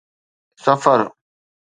سفر